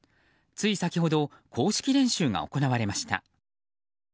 つい先ほど公式練習が行われました。